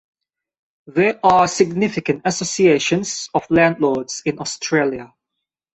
There are significant associations of landlords in Australia.